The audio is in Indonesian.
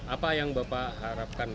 apa yang bapak harapkan